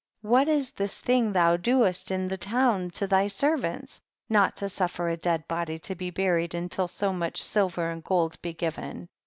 What is this thing thou doest m the town to thy servants, not to sutfer a dead body to be buried until so much silver and gold be given